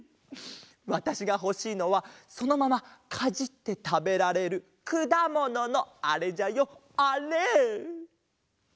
わたしがほしいのはそのままかじってたべられるくだもののあれじゃよあれ！